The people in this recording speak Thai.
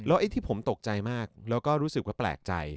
ไอ้ที่ผมตกใจมากแล้วก็รู้สึกว่าแปลกใจ